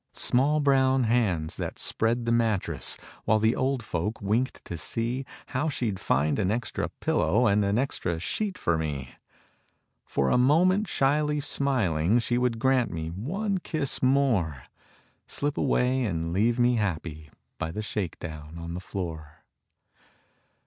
Small brown hands that spread the mattress While the old folk winked to see How she'd find an extra pillow And an extra sheet for me. For a moment shyly smiling, She would grant me one kiss more Slip away and leave me happy By the shake down on the floor.